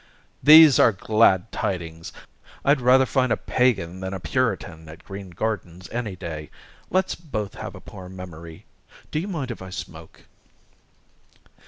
"These are glad tidings! I'd rather find a pagan than a Puritan at Green Gardens any day. Let's both have a poor memory. Do you mind if I smoke?"